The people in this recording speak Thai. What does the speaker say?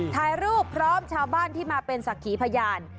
ถ่ายรูปพร้อมชาวบ้านที่มาเป็นสักขีพยาน